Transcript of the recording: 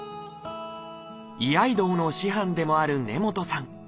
居合道の師範でもある根本さん。